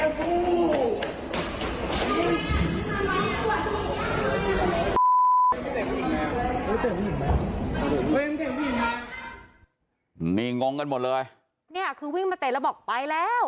นี่งงกันหมดเลยเนี่ยคือวิ่งมาเตะแล้วบอกไปแล้ว